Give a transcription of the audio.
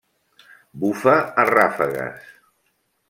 Bufa a ràfegues.